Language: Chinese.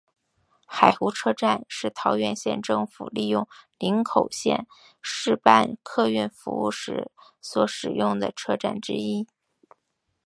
海湖车站是桃园县政府利用林口线试办客运服务时所使用的车站之一。